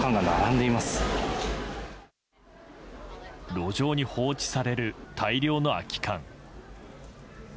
路上に放置される大量の空き缶。